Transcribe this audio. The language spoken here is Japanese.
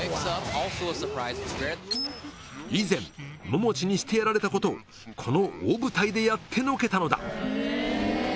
以前ももちにしてやられたことをこの大舞台でやってのけたのだ